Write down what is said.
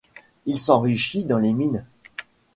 Il s'enrichit dans les mines.